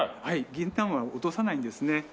ギンナンは落とさないんですね。